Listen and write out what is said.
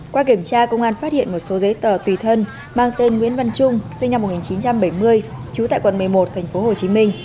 qua kiểm tra công an phát hiện một số giấy tờ tùy thân mang tên nguyễn văn trung sinh năm một nghìn chín trăm bảy mươi chú tại quận một mươi một tp hcm